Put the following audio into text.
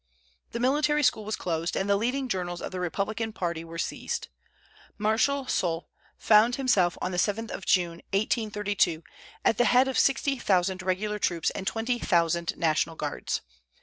_ The military school was closed, and the leading journals of the Republican party were seized. Marshal Soult found himself on the 7th of June, 1832, at the head of sixty thousand regular troops and twenty thousand National Guards.